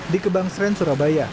di kebang sren surabaya